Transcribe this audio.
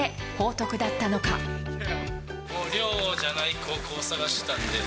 寮じゃない高校を探してたんで。